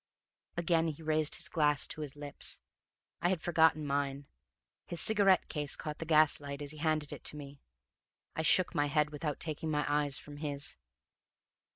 Again he raised his glass to his lips I had forgotten mine. His cigarette case caught the gas light as he handed it to me. I shook my head without taking my eyes from his.